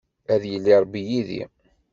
Ad yili Ṛebbi yid-i.